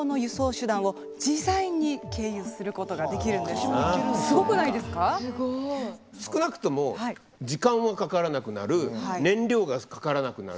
すごい。少なくとも時間はかからなくなる燃料がかからなくなる。